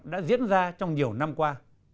đã diễn ra trong nhiều năm qua